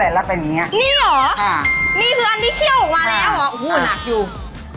แล้วก็เนี่ยน้ำตาลอืมสูทแล้วก็แทน